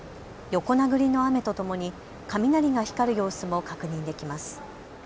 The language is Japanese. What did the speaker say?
横殴りの雨とともに雷が光る様子も確認できます。